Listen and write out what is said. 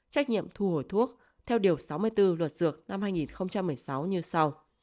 trách nhiệm thu hồi thuốc theo điều sáu mươi bốn luật dược năm hai nghìn một mươi sáu như sau